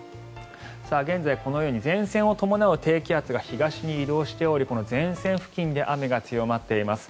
現在、このように前線を伴う低気圧が東に移動しており前線付近で雨が強まっています。